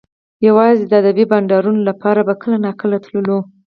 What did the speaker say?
یوازې د ادبي بنډارونو لپاره به کله ناکله تللو